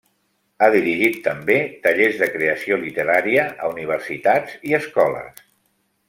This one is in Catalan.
Ha dirigit també tallers de creació literària a universitats i escoles.